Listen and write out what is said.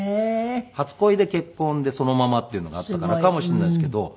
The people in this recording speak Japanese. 初恋で結婚でそのままっていうのがあったからかもしれないですけど。